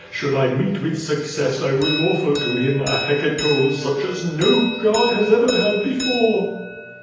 Should I meet with success I will offer to him a hecatomb such as no god has ever had before."